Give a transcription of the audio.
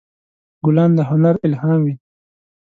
ګلان د هنر الهام وي.